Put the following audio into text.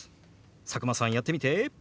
佐久間さんやってみて。